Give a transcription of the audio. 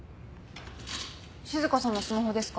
静香さんのスマホですか？